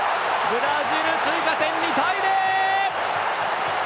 ブラジル追加点２対０！